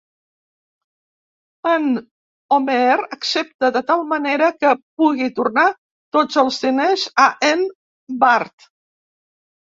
En Homer accepta de tal manera que pugui tornar tots els diners a en Bart.